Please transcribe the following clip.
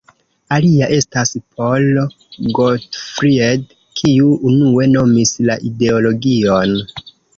Alia estas Paul Gottfried, kiu unue nomis la ideologion.